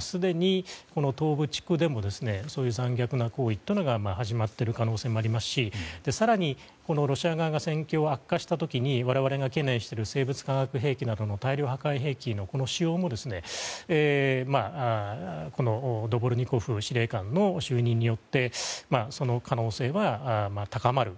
すでに東部地区でもそういう残虐な行為が始まっている可能性もありますし更に、ロシア側が戦況悪化した時に我々が懸念している生物・化学兵器などの大量破壊兵器の使用もドボルニコフ司令官の就任によってその可能性は高まる。